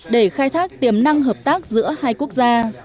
để khai thác tiềm năng hợp tác giữa hai quốc gia